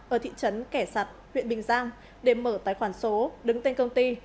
ở thị trấn kẻ sạt huyện bình giang để mở tài khoản số đứng tên công ty